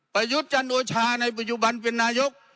ไปยุทธ์จันทูชาในประยุบันเป็นนายก